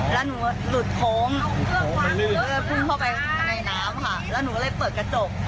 แล้วหนูหลุดโค้งแล้วก็พุ่งเข้าไปในน้ำค่ะแล้วหนูก็เลยเปิดกระจก